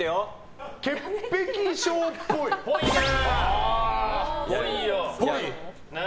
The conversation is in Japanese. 潔癖症っぽい。っぽいな。